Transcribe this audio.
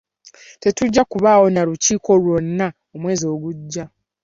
Tetujja kubaawo na lukiiko lwonna omwezi ogujja.